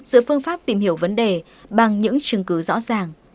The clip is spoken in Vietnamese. giữa phương pháp tìm hiểu vấn đề bằng những chứng cứ rõ ràng